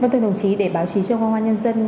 trong công an nhân dân